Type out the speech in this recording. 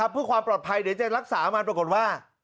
เพื่อความปลอดภัยเดี๋ยวจะรักษามันปรากฏว่า